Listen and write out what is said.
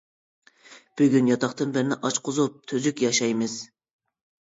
بۈگۈن ياتاقتىن بىرنى ئاچقۇزۇپ تۈزۈك ياشايمىز.